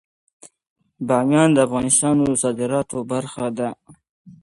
بامیان د افغانستان د صادراتو برخه ده.